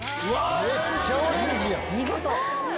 めっちゃオレンジやん。